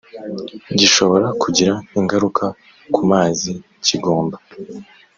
gishobora kugira ingaruka ku mazi kigomba